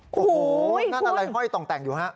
โอ้โหนั่นอะไรห้อยต่องแต่งอยู่ฮะ